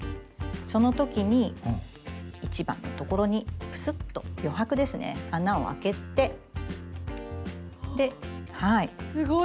その時に１番のところにプスッと余白ですね穴を開けてではい。